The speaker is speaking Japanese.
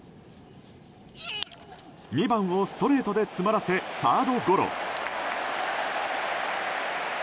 ２番をストレートで詰まらせサードゴロ。